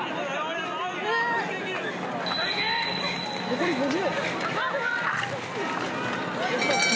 残り５０！